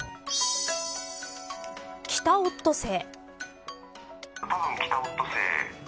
キタオットセイ。